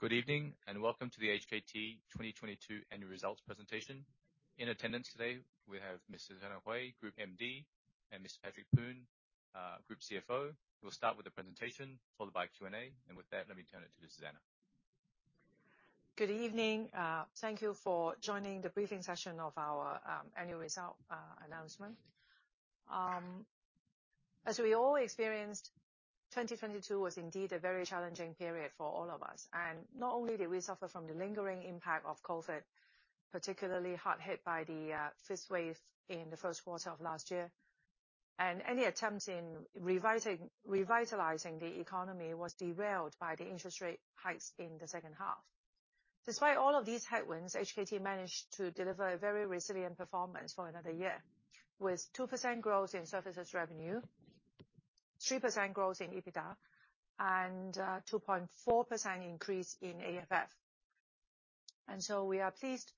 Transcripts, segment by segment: Good evening, welcome to the HKT 2022 annual results presentation. In attendance today, we have Mrs. Susanna Hui, Group MD, and Mr. Patrick Poon, Group CFO. We'll start with the presentation, followed by Q&A. With that, let me turn it to Susanna. Good evening. Thank you for joining the briefing session of our annual result announcement. As we all experienced, 2022 was indeed a very challenging period for all of us. Not only did we suffer from the lingering impact of COVID, particularly hard hit by the fifth wave in the first quarter of last year. Any attempts in revitalizing the economy was derailed by the interest rate hikes in the second half. Despite all of these headwinds, HKT managed to deliver a very resilient performance for another year, with 2% growth in services revenue, 3% growth in EBITDA, 2.4% increase in AFF. We are pleased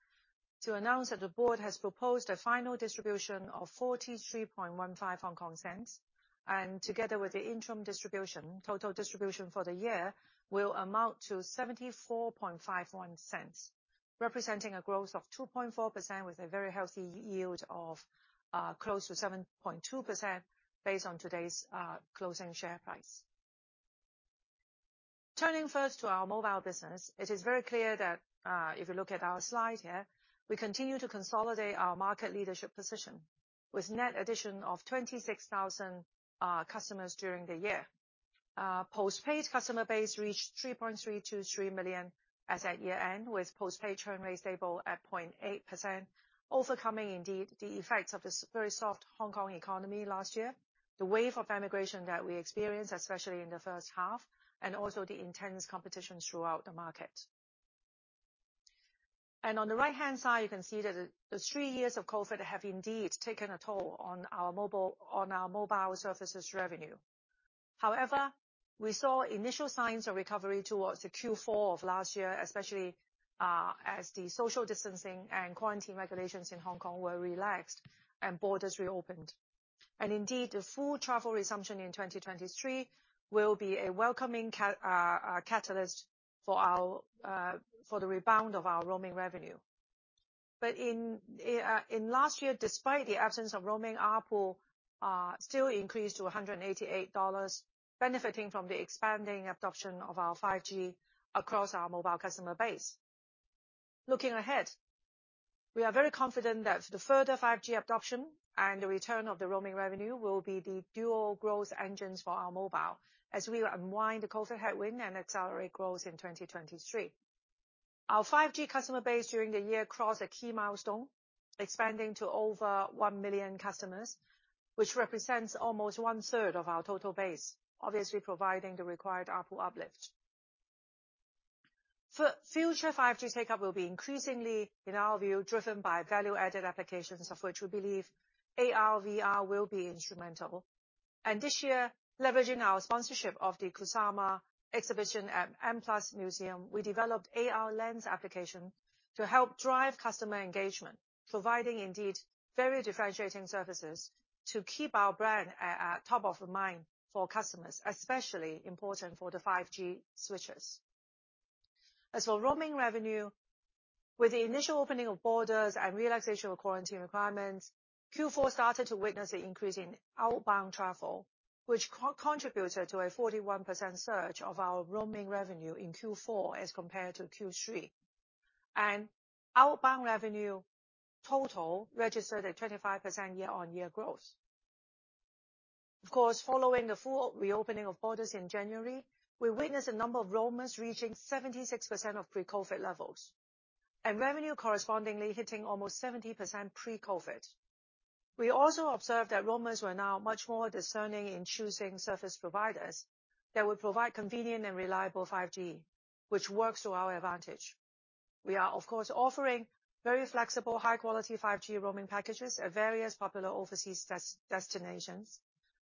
to announce that the board has proposed a final distribution of 0.4315. Together with the interim distribution, total distribution for the year will amount to 0.7451, representing a growth of 2.4% with a very healthy yield of close to 7.2% based on today's closing share price. Turning first to our mobile business, it is very clear that if you look at our slide here, we continue to consolidate our market leadership position with net addition of 26,000 customers during the year. Postpaid customer base reached 3.323 million as at year-end, with postpaid churn rate stable at 0.8%, overcoming indeed the effects of the very soft Hong Kong economy last year, the wave of emigration that we experienced, especially in the first half, and also the intense competition throughout the market. On the right-hand side, you can see that the three years of COVID have indeed taken a toll on our mobile services revenue. However, we saw initial signs of recovery towards the Q4 of last year, especially as the social distancing and quarantine regulations in Hong Kong were relaxed and borders reopened. Indeed, the full travel resumption in 2023 will be a welcoming catalyst for the rebound of our roaming revenue. In last year, despite the absence of roaming, ARPU still increased to 188 dollars, benefiting from the expanding adoption of our 5G across our mobile customer base. Looking ahead, we are very confident that the further 5G adoption and the return of the roaming revenue will be the dual growth engines for our mobile as we unwind the COVID headwind and accelerate growth in 2023. Our 5G customer base during the year crossed a key milestone, expanding to over 1 million customers, which represents almost 1/3 of our total base, obviously providing the required ARPU uplift. Future 5G take-up will be increasingly, in our view, driven by value-added applications, of which we believe AR/VR will be instrumental. This year, leveraging our sponsorship of the Kusama exhibition at M+ Museum, we developed AR lens application to help drive customer engagement, providing indeed very differentiating services to keep our brand at top of mind for customers, especially important for the 5G switches. As for roaming revenue, with the initial opening of borders and relaxation of quarantine requirements, Q4 started to witness an increase in outbound travel, which contributed to a 41% surge of our roaming revenue in Q4 as compared to Q3. Outbound revenue total registered at 25% year-on-year growth. Of course, following the full reopening of borders in January, we witnessed a number of roamers reaching 76% of pre-COVID levels, and revenue correspondingly hitting almost 70% pre-COVID. We also observed that roamers were now much more discerning in choosing service providers that would provide convenient and reliable 5G, which works to our advantage. We are of course offering very flexible, high-quality 5G roaming packages at various popular overseas destinations,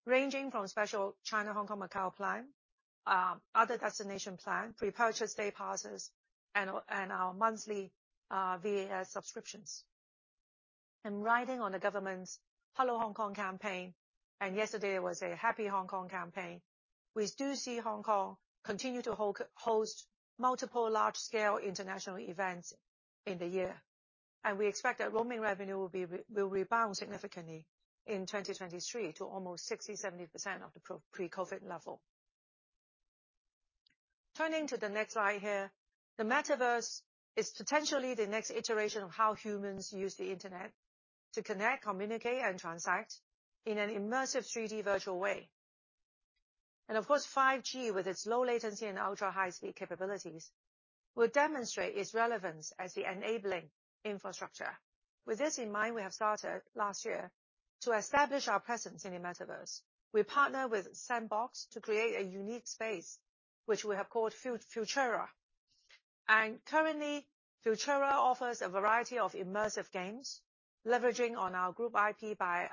ranging from special China, Hong Kong, Macau plan, other destination plan, pre-purchase day passes, and our monthly VAS subscriptions. Riding on the government's Hello Hong Kong campaign, and yesterday was a Happy Hong Kong campaign, we do see Hong Kong continue to host multiple large-scale international events in the year. We expect that roaming revenue will rebound significantly in 2023 to almost 60%-70% of the pre-COVID level. Turning to the next slide here. The metaverse is potentially the next iteration of how humans use the internet to connect, communicate, and transact in an immersive 3D virtual way. Of course, 5G, with its low latency and ultra-high speed capabilities, will demonstrate its relevance as the enabling infrastructure. With this in mind, we have started last year to establish our presence in the metaverse. We partnered with Sandbox to create a unique space, which we have called Futurera. Currently, Futurera offers a variety of immersive games leveraging on our group IP by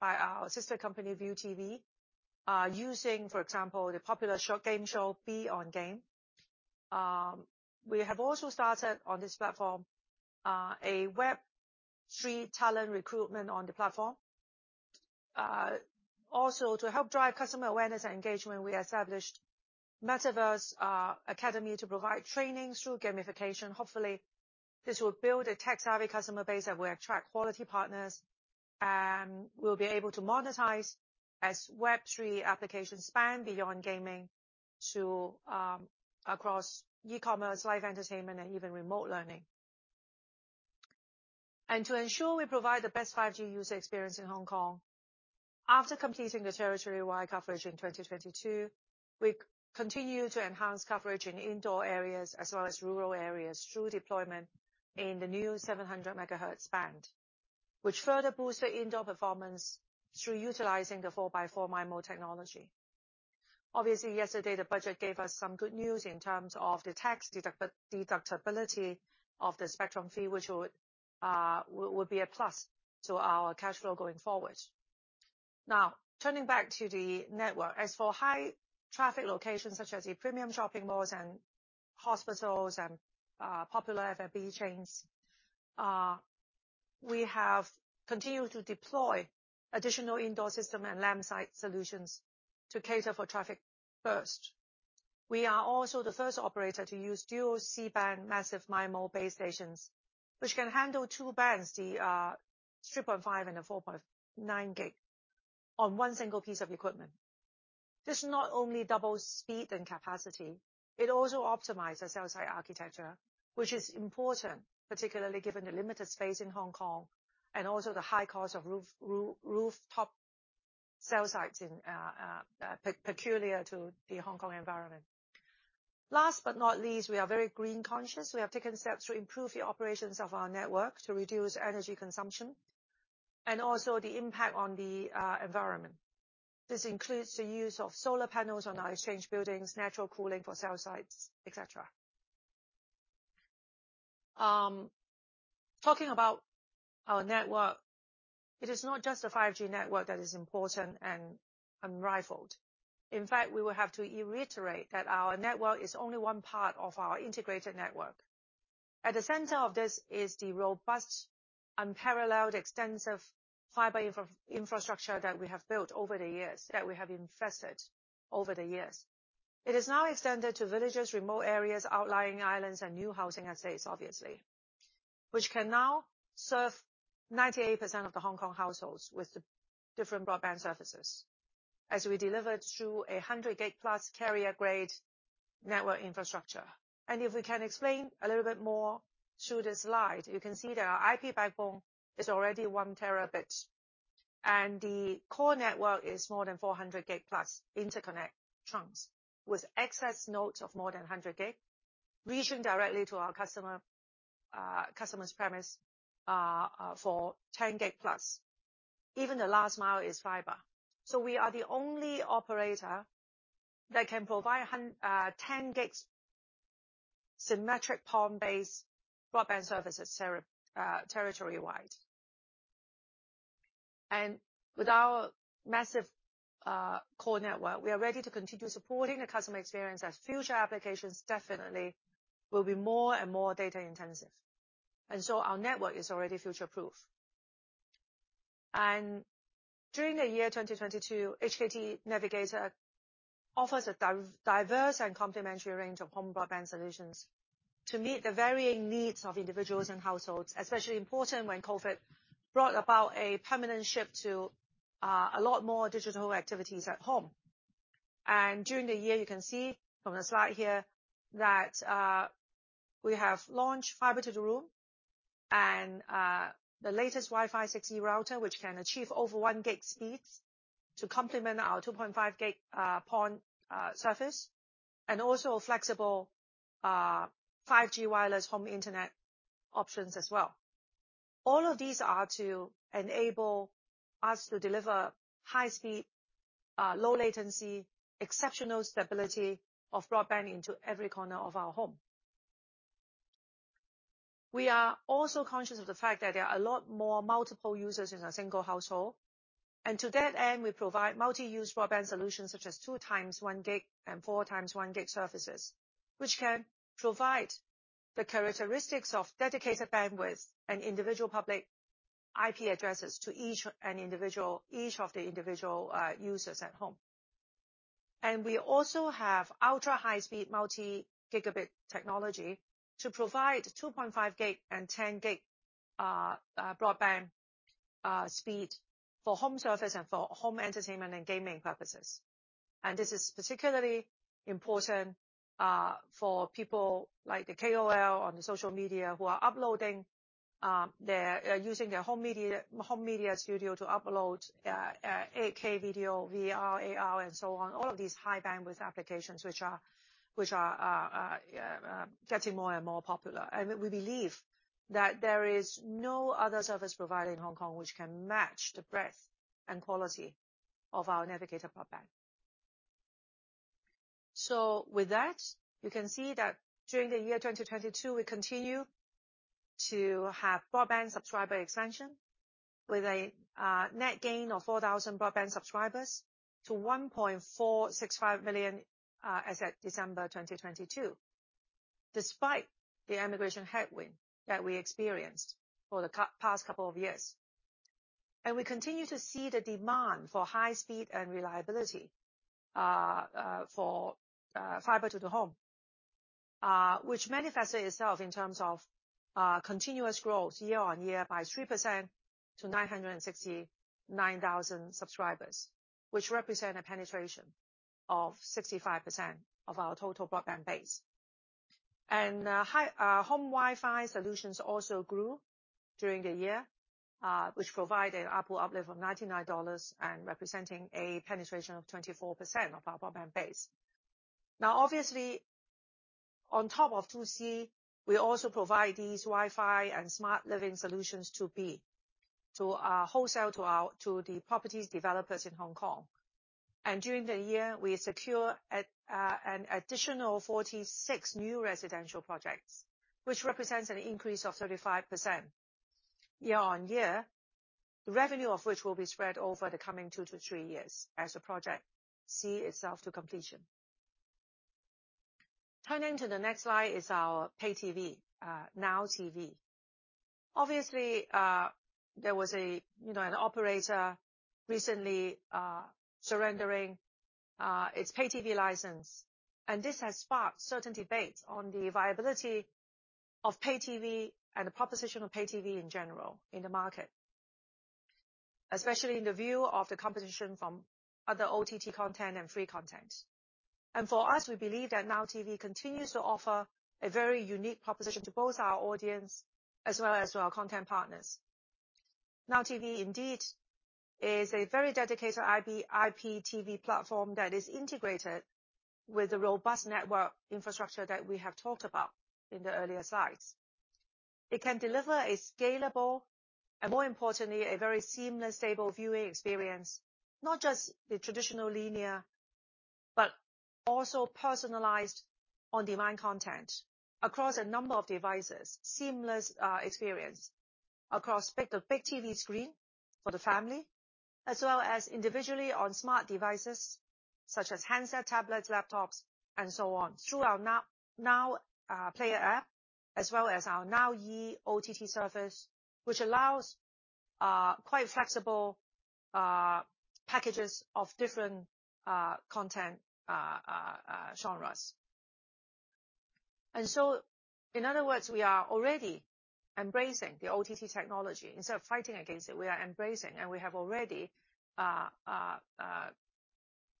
our sister company, ViuTV, using, for example, the popular game show, Be ON Game. We have also started on this platform a Web3 talent recruitment on the platform. Also to help drive customer awareness and engagement, we established Metaverse Academy to provide training through gamification. Hopefully, this will build a tech-savvy customer base that will attract quality partners, and we'll be able to monetize as Web3 applications span beyond gaming to across e-commerce, live entertainment, and even remote learning. To ensure we provide the best 5G user experience in Hong Kong, after completing the territory-wide coverage in 2022, we continue to enhance coverage in indoor areas as well as rural areas through deployment in the new 700 MHz band. Which further boosts the indoor performance through utilizing the four by four MIMO technology. Obviously, yesterday, the budget gave us some good news in terms of the tax deductibility of the spectrum fee, which will be a plus to our cash flow going forward. As for high traffic locations such as the premium shopping malls and hospitals and popular F&B chains, we have continued to deploy additional indoor system and LampSite solutions to cater for traffic first. We are also the first operator to use dual C-band massive MIMO base stations, which can handle two bands, the 3.5 GHz and the 4.9 GHz on one single piece of equipment. This not only doubles speed and capacity, it also optimizes cell site architecture. Which is important, particularly given the limited space in Hong Kong and also the high cost of rooftop cell sites in peculiar to the Hong Kong environment. Last but not least, we are very green conscious. We have taken steps to improve the operations of our network to reduce energy consumption, and also the impact on the environment. This includes the use of solar panels on our exchange buildings, natural cooling for cell sites, et cetera. Talking about our network, it is not just the 5G network that is important and unrivaled. In fact, we will have to reiterate that our network is only one part of our integrated network. At the center of this is the robust, unparalleled, extensive fiber infrastructure that we have built over the years, that we have invested over the years. It is now extended to villages, remote areas, outlying islands, and new housing estates, obviously, which can now serve 98% of the Hong Kong households with the different broadband services as we deliver through a 100+ Gb carrier grade network infrastructure. If we can explain a little bit more through this slide, you can see that our IP backbone is already 1 Tb. The core network is more than 400+ Gb interconnect trunks with excess nodes of more than 100 Gb reaching directly to our customer's premise for 10+ Gb. Even the last mile is fiber. We are the only operator that can provide 10 Gb symmetric PON-based broadband services territory-wide. With our massive core network, we are ready to continue supporting the customer experience as future applications definitely will be more and more data-intensive. Our network is already future-proof. During the year 2022, HKT Netvigator offers a diverse and complementary range of home broadband solutions to meet the varying needs of individuals and households, especially important when COVID brought about a permanent shift to a lot more digital activities at home. During the year, you can see from the slide here that we have launched Fiber-to-the-Room and the latest Wi-Fi 6E router, which can achieve over 1 Gb speeds to complement our 2.5 Gb PON service, and also flexible 5G wireless home internet options as well. All of these are to enable us to deliver high speed, low latency, exceptional stability of broadband into every corner of our home. We are also conscious of the fact that there are a lot more multiple users in a single household. To that end, we provide multi-use broadband solutions such as 2x 1 Gb and 4x 1 Gb services. Which can provide the characteristics of dedicated bandwidth and individual public IP addresses to each of the individual users at home. We also have ultra-high speed multi-gigabit technology to provide 2.5 Gb and 10 Gb broadband speed for home surface and for home entertainment and gaming purposes. This is particularly important for people like the KOL on social media who are uploading, they're using their home media, home media studio to upload 8K video, VR, AR, and so on. All of these high bandwidth applications which are getting more and more popular. We believe that there is no other service provider in Hong Kong which can match the breadth and quality of our Netvigator broadband. With that, you can see that during the year 2022, we continue to have broadband subscriber expansion with a net gain of 4,000 broadband subscribers to 1.465 million as at December 2022. Despite the emigration headwind that we experienced for the past couple of years. We continue to see the demand for high speed and reliability for fiber to the home, which manifested itself in terms of continuous growth year-on-year by 3% to 969,000 subscribers, which represent a penetration of 65% of our total broadband base. Home Wi-Fi solutions also grew during the year, which provided ARPU uplift of 99 dollars and representing a penetration of 24% of our broadband base. Obviously, on top of we also provide these Wi-Fi and smart living solutions to wholesale to the properties developers in Hong Kong. During the year, we secure an additional 46 new residential projects, which represents an increase of 35% year-on-year, the revenue of which will be spread over the coming two to three years as the project see itself to completion. Turning to the next slide is our pay-TV, Now TV. Obviously, there was a, you know, an operator recently surrendering its pay-TV license, and this has sparked certain debates on the viability of Pay TV and the proposition of pay-TV in general in the market, especially in the view of the competition from other OTT content and free content. For us, we believe that Now TV continues to offer a very unique proposition to both our audience as well as to our content partners. Now TV indeed is a very dedicated IPTV platform that is integrated with the robust network infrastructure that we have talked about in the earlier slides. It can deliver a scalable and, more importantly, a very seamless, stable viewing experience, not just the traditional linear, but also personalized on-demand content across a number of devices. Seamless experience across big, the big TV screen for the family, as well as individually on smart devices such as handsets, tablets, laptops and so on, through our Now player app, as well as our Now E OTT service, which allows quite flexible packages of different content genres. In other words, we are already embracing the OTT technology. Instead of fighting against it, we are embracing, we have already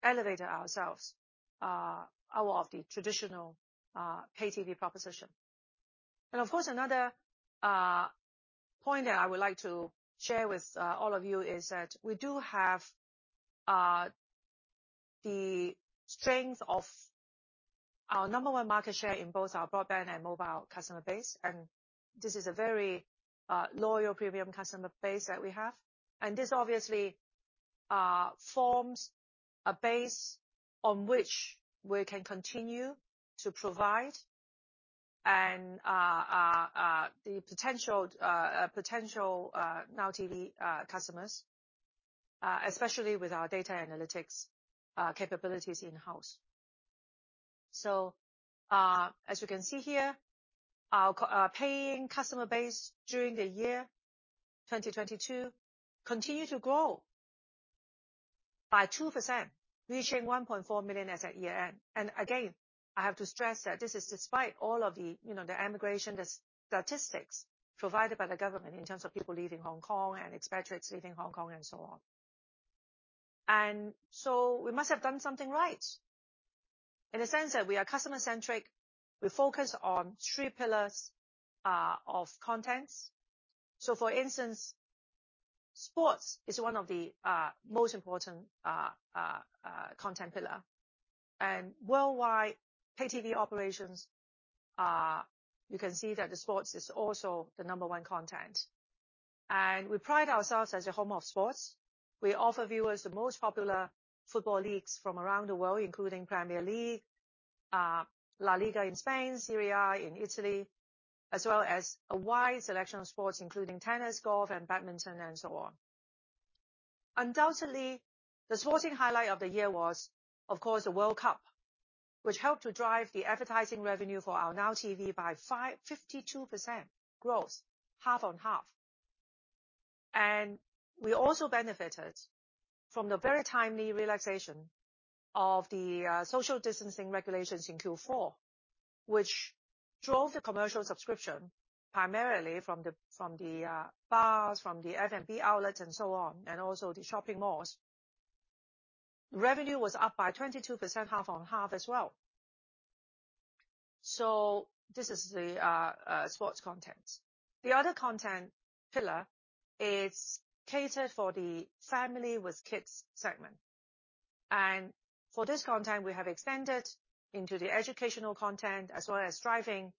elevated ourselves out of the traditional pay-TV proposition. Of course, another point that I would like to share with all of you is that we do have the strength of our number one market share in both our broadband and mobile customer base, and this is a very loyal, premium customer base that we have. This obviously forms a base on which we can continue to provide and the potential Now TV customers, especially with our data analytics capabilities in-house. As you can see here, our co-paying customer base during the year 2022 continued to grow by 2%, reaching 1.4 million as at year-end. Again, I have to stress that this is despite all of the, you know, the emigration, the statistics provided by the government in terms of people leaving Hong Kong and expatriates leaving Hong Kong and so on. We must have done something right in the sense that we are customer centric. We focus on three pillars of contents. For instance, sports is one of the most important content pillar. Worldwide pay-TV operations. You can see that the sports is also the number one content. We pride ourselves as a home of sports. We offer viewers the most popular football leagues from around the world, including Premier League, La Liga in Spain, Serie A in Italy, as well as a wide selection of sports including tennis, golf and badminton and so on. Undoubtedly, the sporting highlight of the year was, of course, the World Cup, which helped to drive the advertising revenue for our Now TV by 52% growth, half-on-half. We also benefited from the very timely relaxation of the social distancing regulations in Q4, which drove the commercial subscription primarily from the bars, from the F&B outlets and so on, and also the shopping malls. Revenue was up by 22% half-on-half as well. This is the sports content. The other content pillar is catered for the family with kids segment. For this content, we have extended into the educational content as well as driving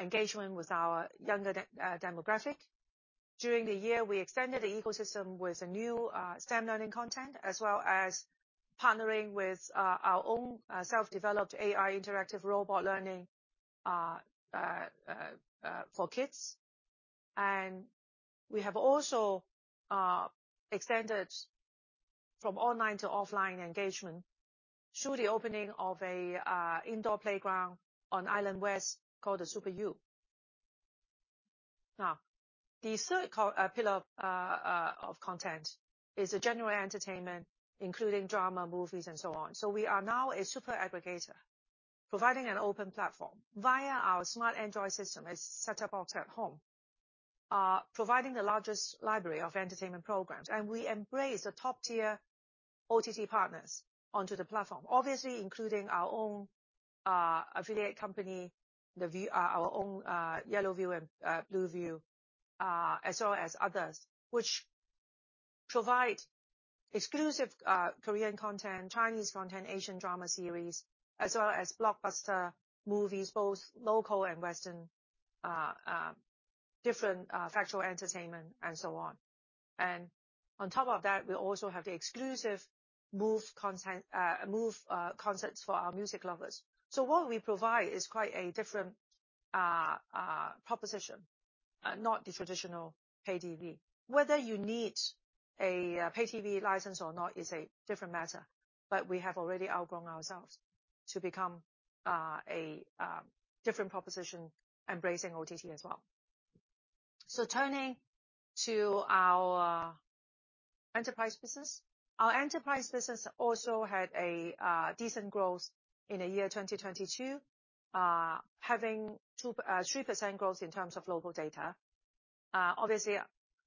engagement with our younger demographic. During the year, we extended the ecosystem with a new STEM learning content, as well as partnering with our own self-developed AI interactive robot learning for kids. We have also extended from online to offline engagement through the opening of a indoor playground on Island West called the Super U. The third co-pillar of content is general entertainment, including drama, movies, and so on. We are now a super aggregator providing an open platform via our smart Android system is set-top box at home, providing the largest library of entertainment programs. We embrace the top-tier OTT partners onto the platform, obviously, including our own affiliate company, our own Yellow Viu and Blue Viu, as well as others, which provide exclusive Korean content, Chinese content, Asian drama series, as well as blockbuster movies, both local and Western, different factual entertainment, and so on. On top of that, we also have the exclusive MOOV content, MOOV concerts for our music lovers. What we provide is quite a different proposition, not the traditional pay-TV. Whether you need a pay-TV license or not is a different matter, but we have already outgrown ourselves to become a different proposition embracing OTT as well. Turning to our enterprise business. Our enterprise business also had decent growth in the year 2022, having 3% growth in terms of global data. Obviously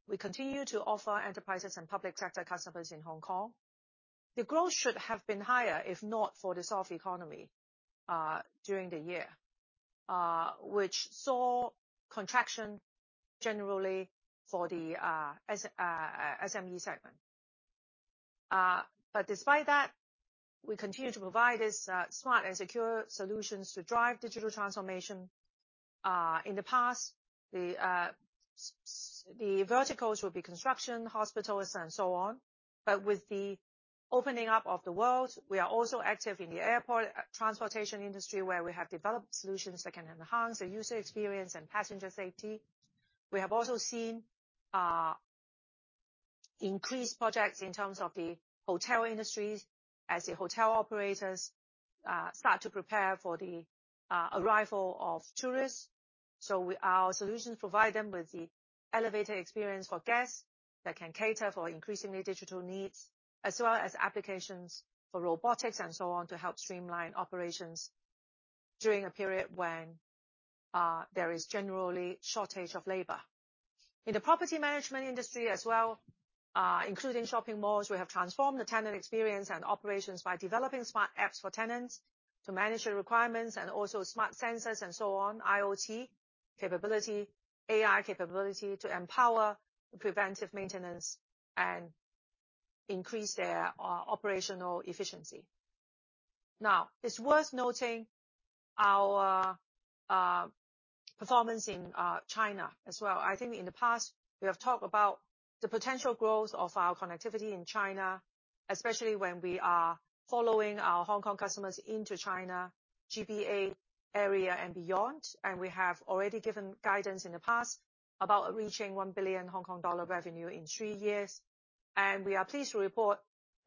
we continue to offer enterprises and public sector customers in Hong Kong. The growth should have been higher if not for the soft economy during the year, which saw contraction generally for the SME segment. Despite that, we continue to provide these smart and secure solutions to drive digital transformation. In the past, the verticals will be construction, hospitals, and so on. With the opening up of the world, we are also active in the airport, transportation industry, where we have developed solutions that can enhance the user experience and passenger safety. We have also seen increased projects in terms of the hotel industries as the hotel operators start to prepare for the arrival of tourists. Our solutions provide them with the elevated experience for guests that can cater for increasingly digital needs, as well as applications for robotics and so on to help streamline operations during a period when there is generally shortage of labor. In the property management industry as well, including shopping malls, we have transformed the tenant experience and operations by developing smart apps for tenants to manage their requirements and also smart sensors and so on, IoT capability, AI capability to empower preventive maintenance and increase their operational efficiency. It's worth noting our performance in China as well. I think in the past, we have talked about the potential growth of our connectivity in China, especially when we are following our Hong Kong customers into China, GBA area, and beyond. We have already given guidance in the past about reaching 1 billion Hong Kong dollar revenue in three years. We are pleased to report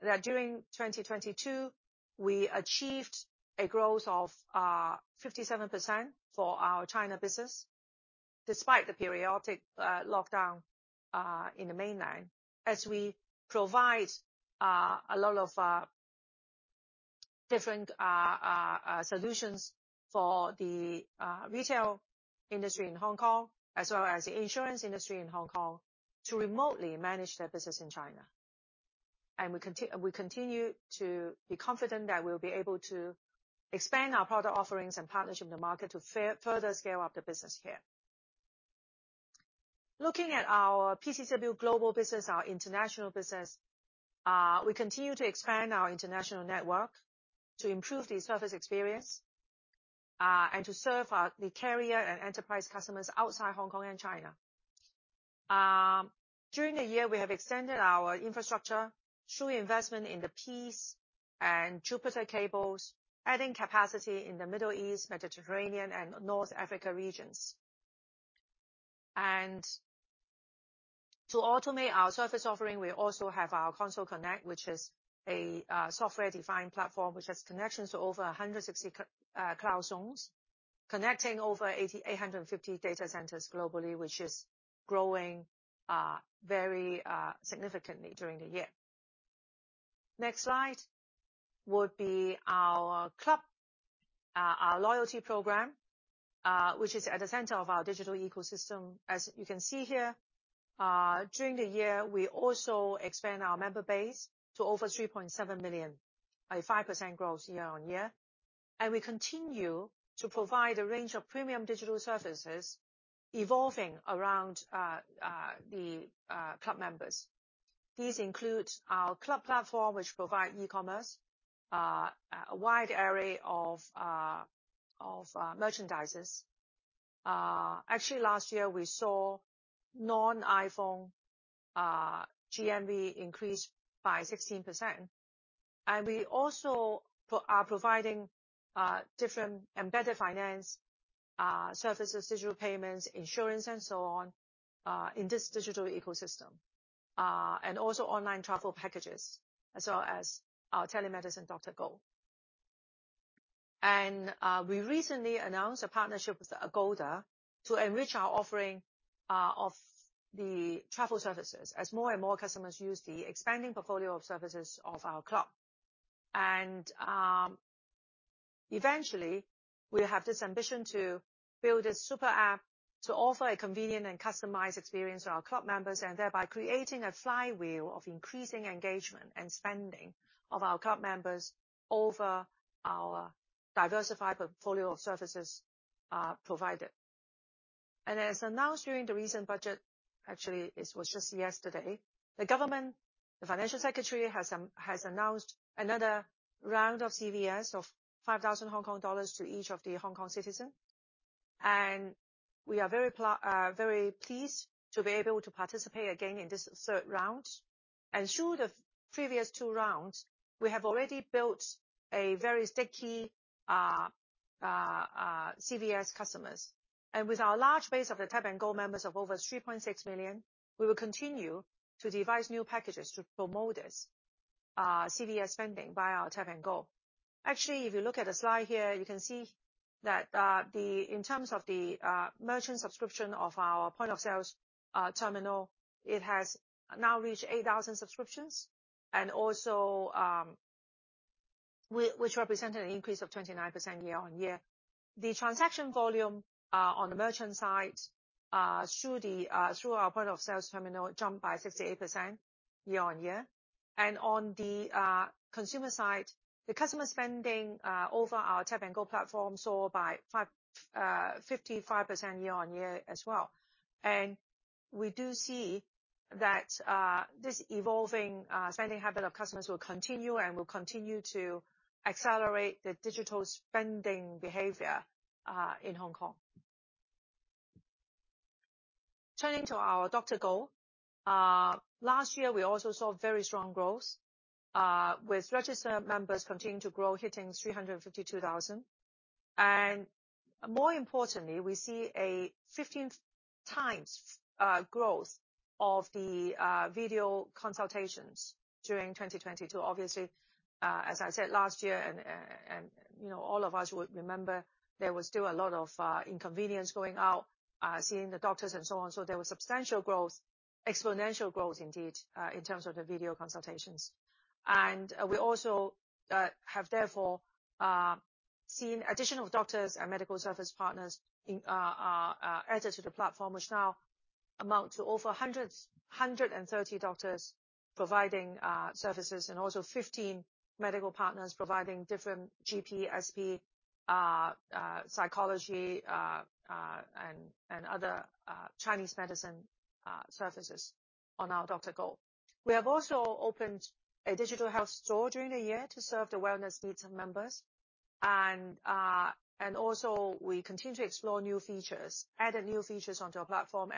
that during 2022, we achieved a growth of 57% for our China business, despite the periodic lockdown in the mainland. As we provide a lot of different solutions for the retail industry in Hong Kong, as well as the insurance industry in Hong Kong, to remotely manage their business in China. We continue to be confident that we'll be able to expand our product offerings and partnership in the market to further scale up the business here. Looking at our PCCW global business, our international business, we continue to expand our international network to improve the service experience and to serve our carrier and enterprise customers outside Hong Kong and China. During the year, we have extended our infrastructure through investment in the PEACE and JUPITER cables, adding capacity in the Middle East, Mediterranean, and North Africa regions. To automate our service offering, we also have our Console Connect, which is a software-defined platform, which has connections to over 160 cloud zones, connecting over 850 data centers globally, which is growing very significantly during the year. Next slide would be our club, our loyalty program, which is at the center of our digital ecosystem. As you can see here, during the year, we also expand our member base to over 3.7 million, a 5% growth year-on-year. We continue to provide a range of premium digital services evolving around club members. These include our club platform, which provide e-commerce, a wide array of merchandises. Actually last year, we saw non-iPhone GMV increase by 16%. We also are providing different embedded finance services, digital payments, insurance and so on, in this digital ecosystem. Also online travel packages, as well as our telemedicine DrGo. We recently announced a partnership with Agoda to enrich our offering of the travel services as more and more customers use the expanding portfolio of services of our club. Eventually, we have this ambition to build a super app to offer a convenient and customized experience to our club members, and thereby creating a flywheel of increasing engagement and spending of our club members over our diversified portfolio of services provided. As announced during the recent budget, actually it was just yesterday, the government, the financial secretary has announced another round of CVS of 5,000 Hong Kong dollars to each of the Hong Kong citizen. We are very pleased to be able to participate again in this third round. Through the previous two rounds, we have already built a very sticky CVS customers. With our large base of the Tap & Go members of over 3.6 million, we will continue to devise new packages to promote this CVS spending via our Tap & Go. Actually, if you look at the slide here, you can see that in terms of the merchant subscription of our point of sales terminal, it has now reached 8,000 subscriptions. Also, which represented an increase of 29% year-on-year. The transaction volume on the merchant side through our point of sales terminal jumped by 68% year-on-year. On the consumer side, the customer spending over our Tap & Go platform saw by 55% year-on-year as well. We do see that this evolving spending habit of customers will continue and will continue to accelerate the digital spending behavior in Hong Kong. Turning to our DrGo. Last year, we also saw very strong growth with registered members continuing to grow, hitting 352,000. More importantly, we see a 15x growth of the video consultations during 2022. Obviously, as I said last year, and, you know, all of us would remember, there was still a lot of inconvenience going out, seeing the doctors and so on. There was substantial growth, exponential growth, indeed, in terms of the video consultations. We also have therefore seen additional doctors and medical service partners added to the platform, which now amount to over 130 doctors providing services and also 15 medical partners providing different GP, SP, psychology, and other Chinese medicine services on our DrGo. We have also opened a digital health store during the year to serve the wellness needs of members. We continue to explore new features, added new features onto our platform.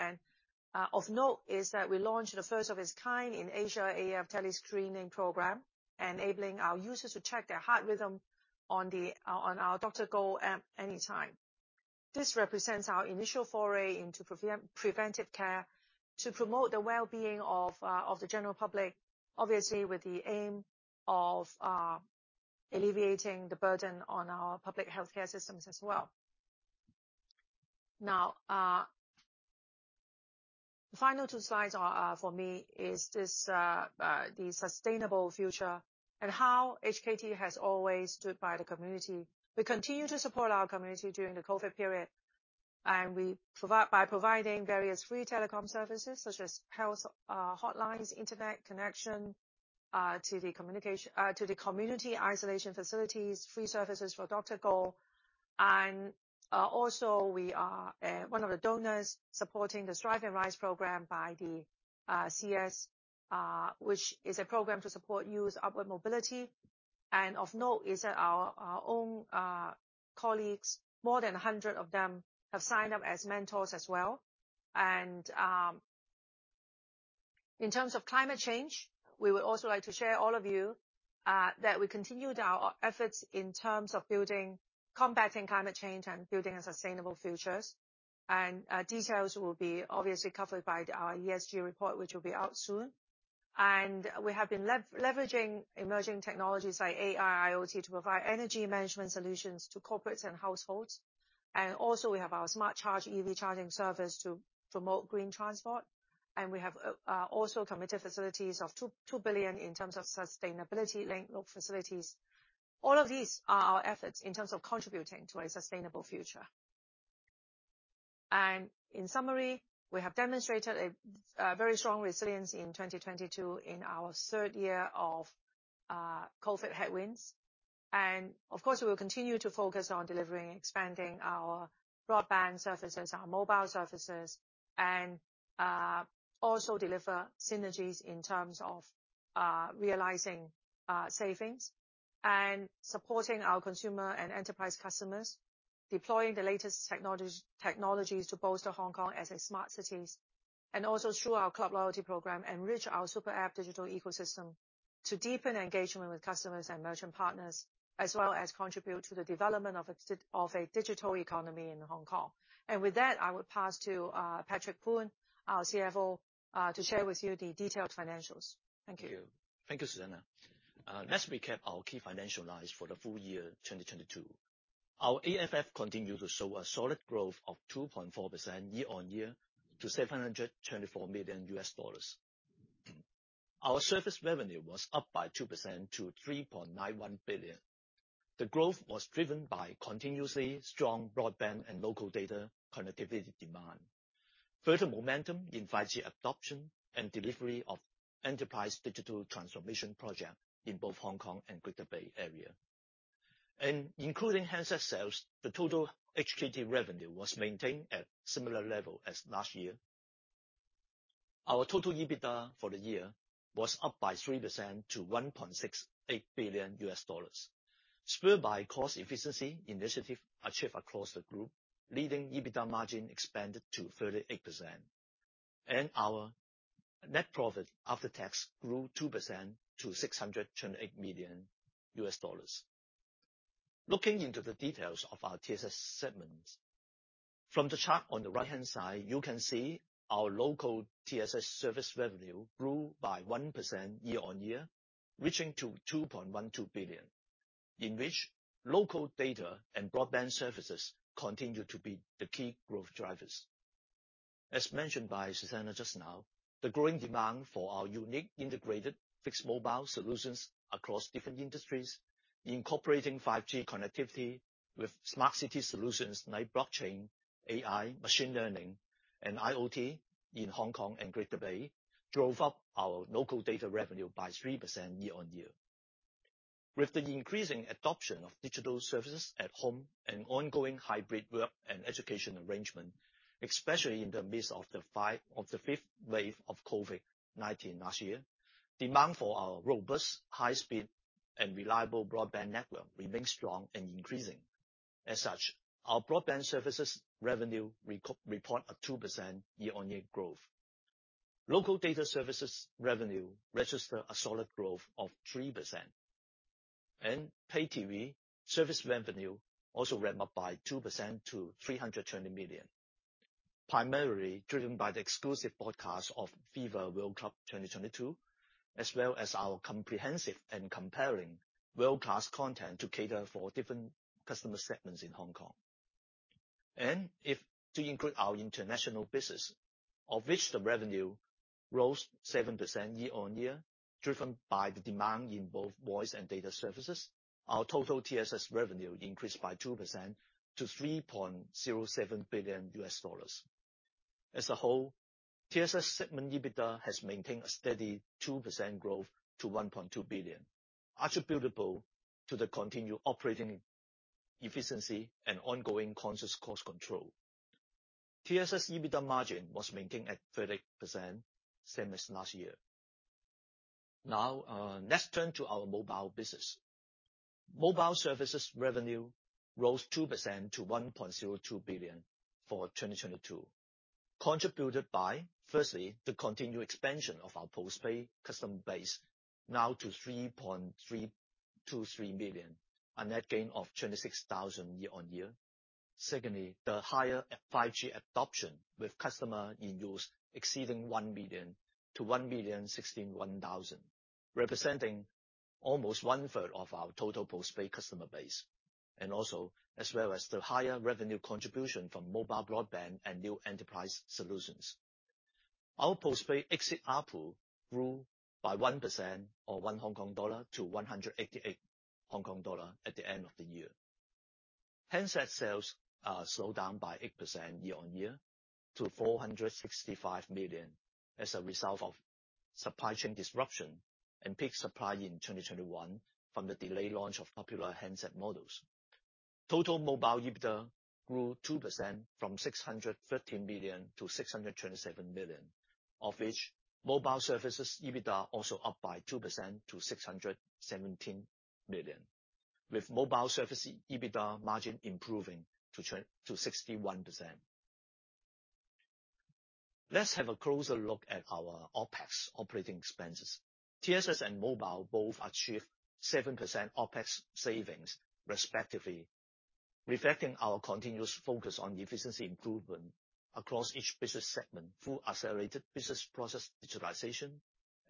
Of note is that we launched the first of its kind in Asia AF tele-screening program, enabling our users to check their heart rhythm on our DrGo at any time. This represents our initial foray into preventive care to promote the well-being of the general public, obviously with the aim of alleviating the burden on our public healthcare systems as well. The final two slides are for me is this the sustainable future and how HKT has always stood by the community. We continue to support our community during the COVID period, and we provide, by providing various free telecom services such as health hotlines, internet connection to the communication to the community isolation facilities, free services for DrGo. Also we are one of the donors supporting the Strive and Rise Programme by the CES, which is a program to support youth upward mobility. Of note is that our own colleagues, more than 100 of them, have signed up as mentors as well. In terms of climate change, we would also like to share all of you that we continued our efforts in terms of building, combating climate change and building a sustainable futures. Details will be obviously covered by our ESG report, which will be out soon. We have been leveraging emerging technologies like AI, IoT, to provide energy management solutions to corporates and households. Also we have our Smart Charge EV charging service to promote green transport. We have also committed facilities of 2 billion in terms of sustainability-linked facilities. All of these are our efforts in terms of contributing to a sustainable future. In summary, we have demonstrated a very strong resilience in 2022 in our third year of COVID headwinds. Of course, we will continue to focus on delivering and expanding our broadband services, our mobile services, and also deliver synergies in terms of realizing savings. Supporting our consumer and enterprise customers, deploying the latest technologies to bolster Hong Kong as a smart cities. Also through our club loyalty program, enrich our super app digital ecosystem to deepen engagement with customers and merchant partners, as well as contribute to the development of a digital economy in Hong Kong. With that, I will pass to Patrick Poon, our CFO, to share with you the detailed financials. Thank you. Thank you. Thank you, Susanna. Let's recap our key financial lines for the full year 2022. Our AFF continued to show a solid growth of 2.4% year-on-year to $724 million. Our service revenue was up by 2% to $3.91 billion. The growth was driven by continuously strong broadband and local data connectivity demand, further momentum in 5G adoption and delivery of enterprise digital transformation project in both Hong Kong and Greater Bay Area. Including handset sales, the total HKT revenue was maintained at similar level as last year. Our total EBITDA for the year was up by 3% to $1.68 billion. Spurred by cost efficiency initiative achieved across the group, leading EBITDA margin expanded to 38%. Our net profit after tax grew 2% to $628 million. Looking into the details of our TSS segments. From the chart on the right-hand side, you can see our local TSS service revenue grew by 1% year-on-year, reaching to $2.12 billion. In which local data and broadband services continued to be the key growth drivers. As mentioned by Susanna just now, the growing demand for our unique integrated fixed mobile solutions across different industries, incorporating 5G connectivity with smart city solutions like blockchain, AI, machine learning, and IoT in Hong Kong and Greater Bay, drove up our local data revenue by 3% year-on-year. With the increasing adoption of digital services at home and ongoing hybrid work and education arrangement, especially in the midst of the fifth wave of COVID-19 last year, demand for our robust, high-speed, and reliable broadband network remains strong and increasing. As such, our broadband services revenue report a 2% year-on-year growth. Local data services revenue register a solid growth of 3%. Pay-TV service revenue also ramp up by 2% to $320 million, primarily driven by the exclusive broadcast of FIFA World Cup 2022, as well as our comprehensive and comparing world-class content to cater for different customer segments in Hong Kong. If to include our international business, of which the revenue rose 7% year-on-year, driven by the demand in both voice and data services, our total TSS revenue increased by 2% to $3.07 billion. As a whole, TSS segment EBITDA has maintained a steady 2% growth to $1.2 billion, attributable to the continued operating efficiency and ongoing conscious cost control. TSS EBITDA margin was maintained at 30%, same as last year. Let's turn to our mobile business. Mobile services revenue rose 2% to $1.02 billion for 2022. Contributed by, firstly, the continued expansion of our post-pay customer base, now to 3.323 billion, a net gain of 26,000 year-on-year. The higher 5G adoption with customer in use exceeding 1 million-1.016 million, representing almost one-third of our total post-pay customer base, and also as well as the higher revenue contribution from mobile broadband and new enterprise solutions. Our post-pay exit ARPU grew by 1% or 1-188 Hong Kong dollar at the end of the year. Handset sales slowed down by 8% year-on-year to 465 million as a result of supply chain disruption and peak supply in 2021 from the delayed launch of popular handset models. Total mobile EBITDA grew 2% from 613 million-627 million, of which mobile services EBITDA also up by 2% to 617 million, with mobile services EBITDA margin improving to 61%. Let's have a closer look at our OpEx operating expenses. TSS and mobile both achieved 7% OpEx savings respectively, reflecting our continuous focus on efficiency improvement across each business segment through accelerated business process digitalization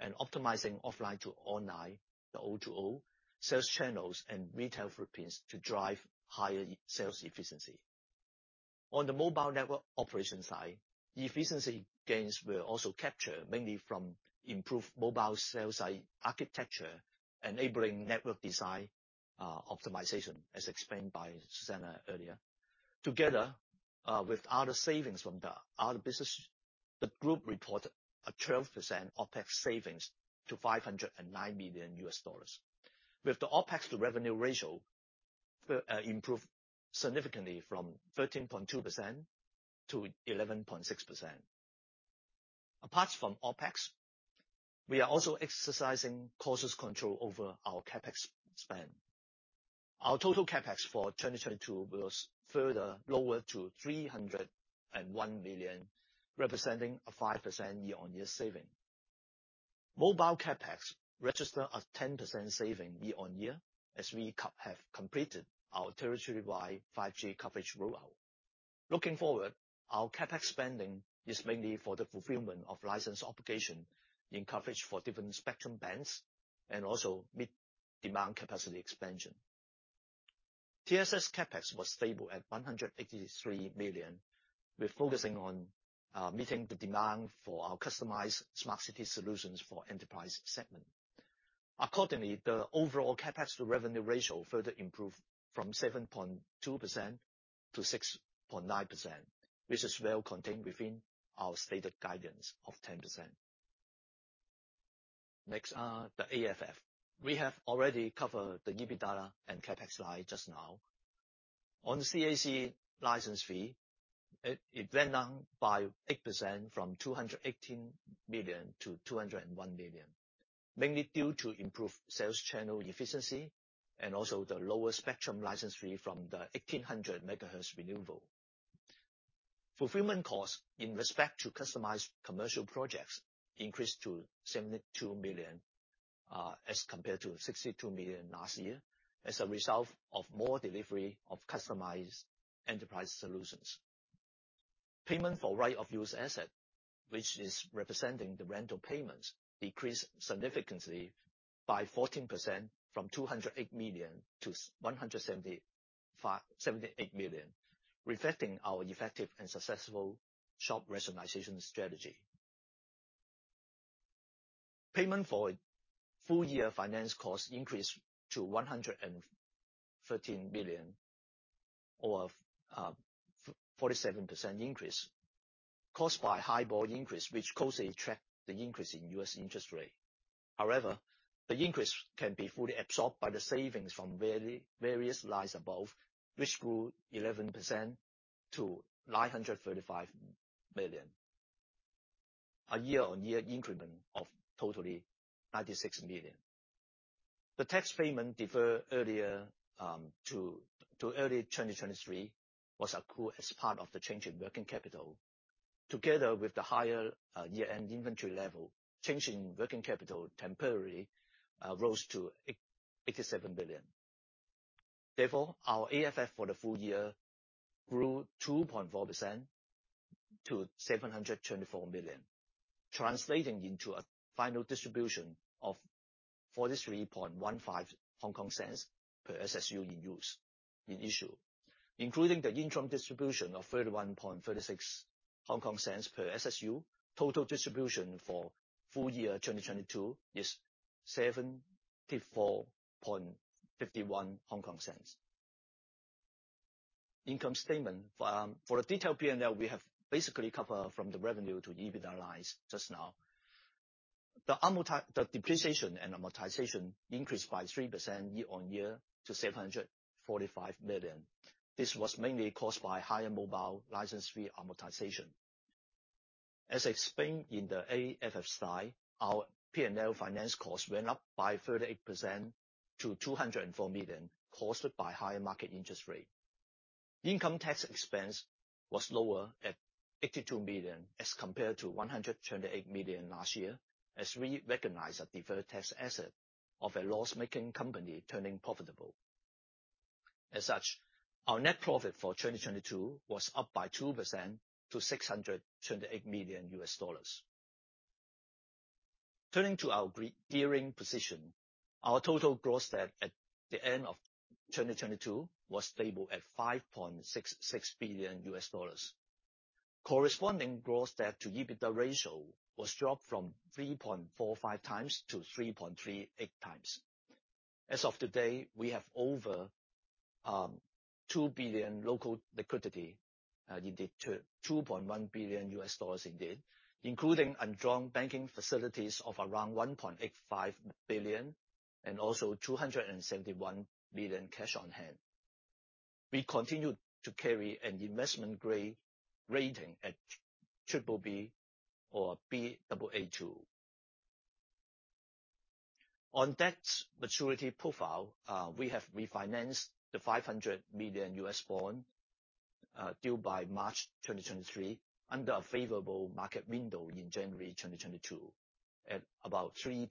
and optimizing offline to online, the O2O, sales channels and retail footprints to drive higher e- sales efficiency. On the mobile network operation side, efficiency gains were also captured mainly from improved mobile cell site architecture, enabling network design optimization, as explained by Susanna earlier. Together, with other savings from the other business, the group reported a 12% OpEx savings to $509 million. With the OpEx to revenue ratio improved significantly from 13.2%-11.6%. Apart from OpEx, we are also exercising cautious control over our CapEx spend. Our total CapEx for 2022 was further lowered to 301 million, representing a 5% year-on-year saving. Mobile CapEx registered a 10% saving year-on-year as we have completed our territory-wide 5G coverage rollout. Looking forward, our CapEx spending is mainly for the fulfillment of license obligation in coverage for different spectrum bands and also meet demand capacity expansion. TSS CapEx was stable at 183 million. We're focusing on meeting the demand for our customized smart city solutions for enterprise segment. Accordingly, the overall CapEx to revenue ratio further improved from 7.2%-6.9%, which is well contained within our stated guidance of 10%. Next are the AFF. We have already covered the EBITDA and CapEx slide just now. On CAC license fee, it went down by 8% from 218 million-201 million, mainly due to improved sales channel efficiency and also the lower spectrum license fee from the 1800 MHz renewal. Fulfillment cost in respect to customized commercial projects increased to 72 million as compared to 62 million last year as a result of more delivery of customized enterprise solutions. Payment for right-of-use asset, which is representing the rental payments, decreased significantly by 14% from 208 million-178 million, reflecting our effective and successful shop rationalization strategy. Payment for full year finance cost increased to 113 million or 47% increase caused by high board increase which closely tracked the increase in U.S. interest rate. The increase can be fully absorbed by the savings from various lines above which grew 11% to 935 million, a year-on-year increment of totally 96 million. The tax payment deferred earlier to early 2023 was accrued as part of the change in working capital, together with the higher year-end inventory level, change in working capital temporarily rose to 87 billion. Our AFF for the full year grew 2.4% to 724 million, translating into a final distribution of 0.4315 per SSU in use, in issue. Including the interim distribution of 0.3136 per SSU, total distribution for full year 2022 is HKD 0.7451. Income statement. For the detailed P&L, we have basically covered from the revenue to EBITDA lines just now. The depreciation and amortization increased by 3% year-on-year to $745 million. This was mainly caused by higher mobile license fee amortization. As explained in the AFF slide, our P&L finance cost went up by 38% to $204 million, caused by higher market interest rate. Income tax expense was lower at $82 million as compared to $128 million last year, as we recognized a deferred tax asset of a loss-making company turning profitable. Our net profit for 2022 was up by 2% to $628 million. Turning to our gearing position, our total gross debt at the end of 2022 was stable at $5.66 billion. Corresponding gross debt to EBITDA ratio was dropped from 3.45x-3.38x. As of today, we have over $2 billion local liquidity, indeed, $2.1 billion indeed, including undrawn banking facilities of around $1.85 billion, and also $271 million cash on hand. We continue to carry an investment grade rating at BBB or Baa2. On debt maturity profile, we have refinanced the $500 million U.S. bond, due by March 2023, under a favorable market window in January 2022 at about 3%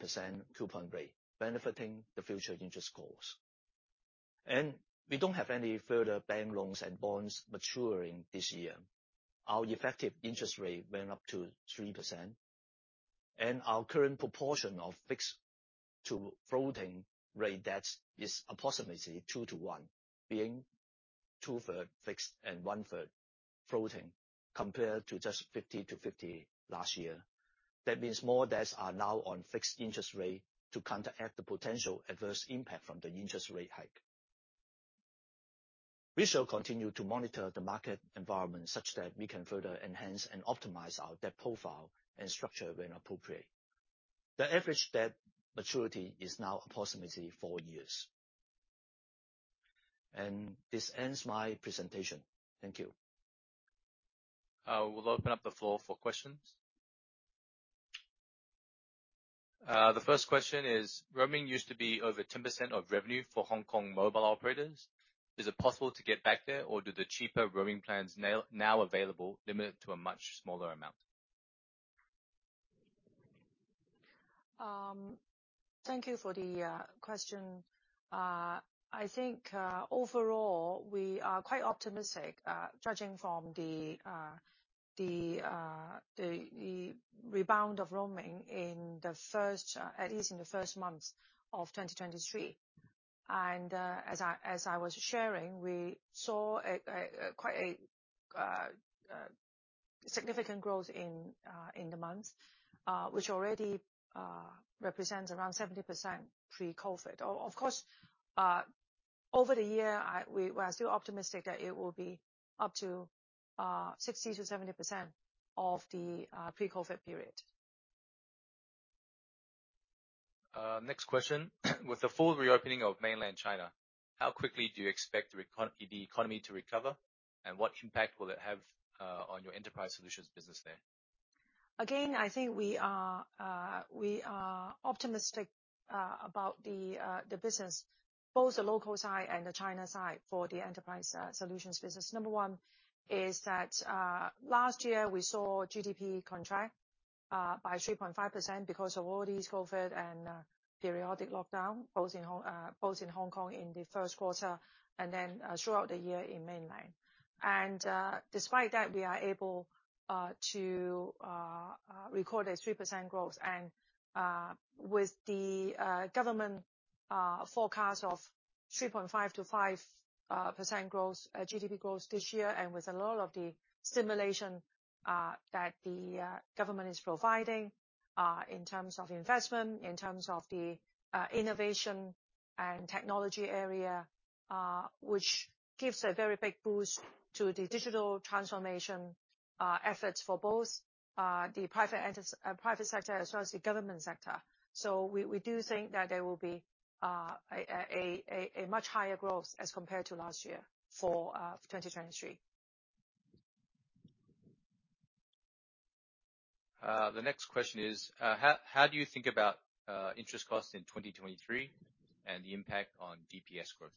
coupon rate, benefiting the future interest costs. We don't have any further bank loans and bonds maturing this year. Our effective interest rate went up to 3%. Our current proportion of fixed to floating rate debts is approximately two to one, being two-third fixed and one-third floating, compared to just 50 to 50 last year. That means more debts are now on fixed interest rate to counteract the potential adverse impact from the interest rate hike. We shall continue to monitor the market environment such that we can further enhance and optimize our debt profile and structure when appropriate. The average debt maturity is now approximately four years. This ends my presentation. Thank you. We'll open up the floor for questions. The first question is, roaming used to be over 10% of revenue for Hong Kong mobile operators. Is it possible to get back there or do the cheaper roaming plans now available limit it to a much smaller amount? Thank you for the question. I think overall, we are quite optimistic, judging from the rebound of roaming in the first, at least in the first months of 2023. As I was sharing, we saw a quite a significant growth in the month, which already represents around 70% pre-COVID. Of course, over the year, I, we are still optimistic that it will be up to 60%-70% of the pre-COVID period. Next question. With the full reopening of mainland China, how quickly do you expect the economy to recover, and what impact will it have on your enterprise solutions business there? Again, I think we are, we are optimistic about the business, both the local side and the China side for the enterprise solutions business. Number one is that, last year we saw GDP contract by 3.5% because of all this COVID and periodic lockdown, both in Hong Kong in the first quarter and then throughout the year in mainland. Despite that, we are able to record a 3% growth. With the government forecast of 3.5%-5% growth, GDP growth this year, and with a lot of the stimulation that the government is providing in terms of investment, in terms of the innovation and technology area, which gives a very big boost to the digital transformation efforts for both the private sector as well as the government sector. We do think that there will be a much higher growth as compared to last year for 2023. The next question is, how do you think about interest costs in 2023 and the impact on DPS growth?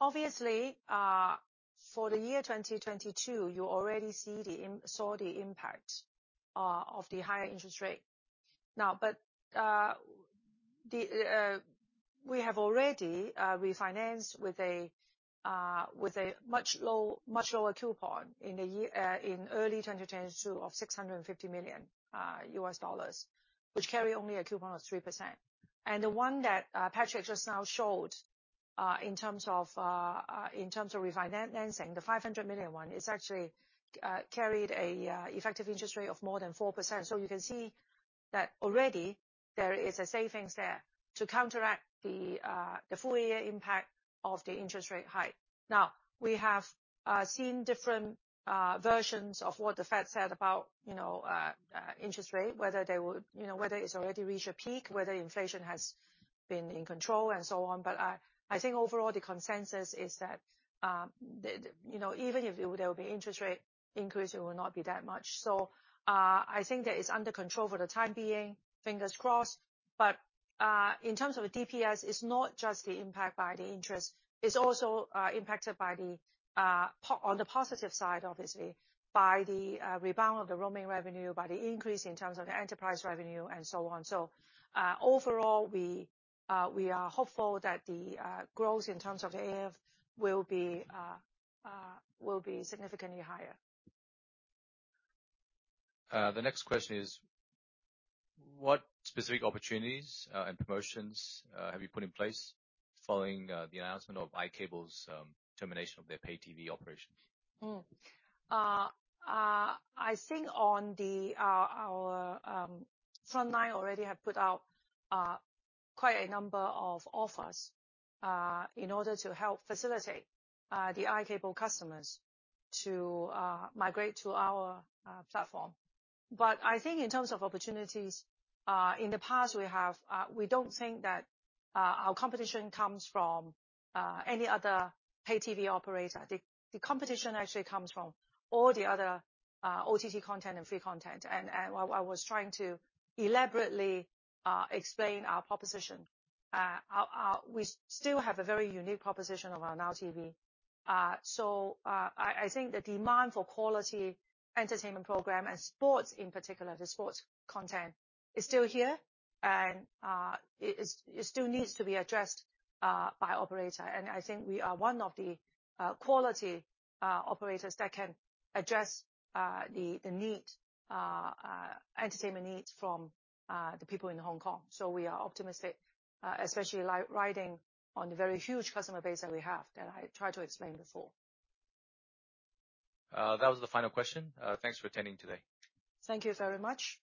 Obviously, for the year 2022, you already saw the impact of the higher interest rate. We have already refinanced with a much lower coupon in early 2022 of $650 million, which carry only a coupon of 3%. The one that Patrick just now showed in terms of refinancing, the $500 million one, it's actually carried a effective interest rate of more than 4%. You can see that already there is a savings there to counteract the full year impact of the interest rate hike. We have seen different versions of what the Fed said about, you know, interest rate, whether they would, you know, whether it's already reached a peak, whether inflation has been in control and so on. I think overall the consensus is that the, you know, even if there will be interest rate increase, it will not be that much. I think that it's under control for the time being, fingers crossed. In terms of DPS, it's not just the impact by the interest, it's also impacted by the on the positive side, obviously, by the rebound of the roaming revenue, by the increase in terms of the enterprise revenue and so on. Overall, we are hopeful that the growth in terms of the AFF will be significantly higher. The next question is, what specific opportunities, and promotions, have you put in place following, the announcement of i-Cable's, termination of their pay-TV operations? I think on the our frontline already have put out quite a number of offers in order to help facilitate the i-Cable customers to migrate to our platform. I think in terms of opportunities in the past we have we don't think that our competition comes from any other pay-TV operator. The competition actually comes from all the other OTT content and free content. I was trying to elaborately explain our proposition. We still have a very unique proposition around Now TV. I think the demand for quality entertainment program and sports, in particular the sports content, is still here and it still needs to be addressed by operator. I think we are one of the quality operators that can address the need entertainment needs from the people in Hong Kong. We are optimistic, especially riding on the very huge customer base that we have, that I tried to explain before. That was the final question. Thanks for attending today. Thank you very much.